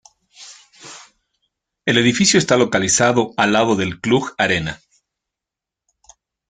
El edificio está localizado al lado del Cluj Arena.